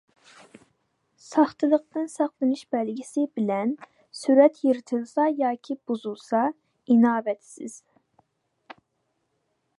ساختىلىقتىن ساقلىنىش بەلگىسى بىلەن سۈرەت يىرتىلسا ياكى بۇزۇلسا ئىناۋەتسىز.